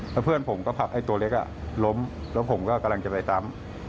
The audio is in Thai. แล้วเพื่อนผมก็ผลักไอ้ตัวเล็กล้มแล้วผมก็กำลังจะไปซ้ำ